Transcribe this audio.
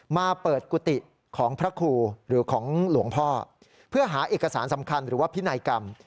มาเปิดกุฏิของพระครูหรือของหลวงพ่อเพื่อหาเอกสารสำคัญหรือว่าพินัยกรรม